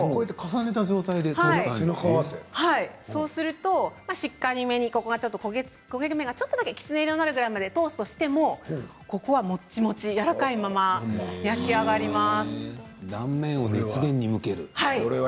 そうすると焦げ目がちょっとだけきつね色になるまでトーストしても中身はもちもちでやわらかいまま焼き上がります。